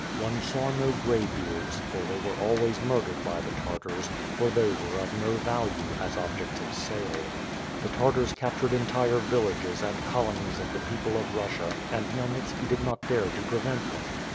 One saw no gray beards, for they were always murdered by the Tartars, for they were of no value, as objects of sale. The Tartars cap tured entire villages and colonies of the people of Russia and Khmyelnitski did not dare to prevent them.